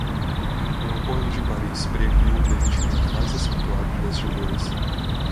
O Acordo de Paris previu o derretimento mais acentuado das geleiras